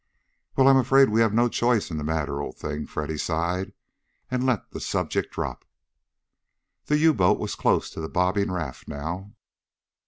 "Well, I'm afraid we have no choice in the matter, old thing," Freddy sighed, and let the subject drop. The U boat was close to the bobbing raft now.